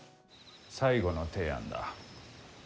最後の提案だ。